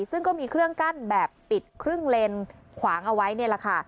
ซึ่งก็มีเครื่องกั้นแบบปิดครึ่งเลนขวางเอาไว้นี่แหละค่ะ